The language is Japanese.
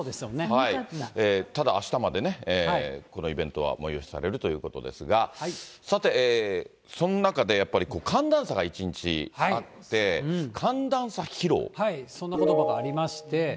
ただあしたまでね、このイベントは催しされるということですが、さて、そんな中で、寒暖差が一日あって、そんなことばがありまして。